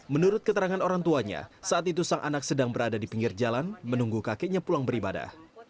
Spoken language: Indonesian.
menurut keterangan orang tuanya saat itu sang anak sedang berada di pinggir jalan menunggu kakeknya pulang beribadah